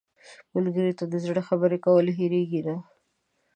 ملګری ته د زړه خبرې کول هېرېږي نه